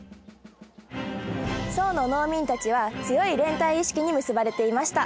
惣の農民たちは強い連帯意識に結ばれていました。